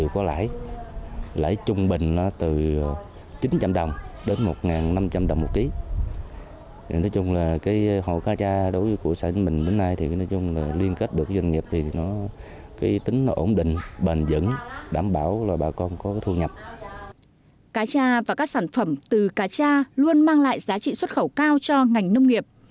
cá cha và các sản phẩm từ cá cha luôn mang lại giá trị xuất khẩu cao cho ngành nông nghiệp